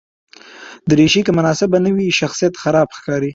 دریشي که مناسبه نه وي، شخصیت خراب ښکاروي.